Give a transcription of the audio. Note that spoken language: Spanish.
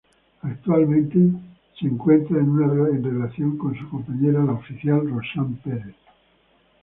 Actualmente se encuentra en una relación con su compañera la oficial Roxanne Perez.